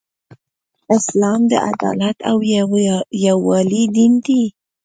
اسلام د عدالت او یووالی دین دی .